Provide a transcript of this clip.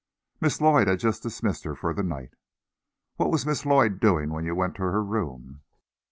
"Miss Lloyd had just dismissed her for the night." "What was Miss Lloyd doing when you went to her room?"